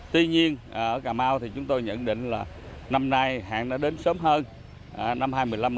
tuy nhiên ở cà mau chúng tôi nhận định là năm nay hạn đã đến sớm hơn năm hai nghìn một mươi năm hai nghìn một mươi sáu